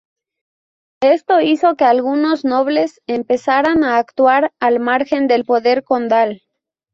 Esto hizo que algunos nobles empezaran a actuar al margen del poder condal.